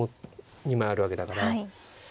２枚あるわけだから。